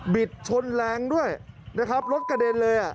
ชนแรงด้วยนะครับรถกระเด็นเลย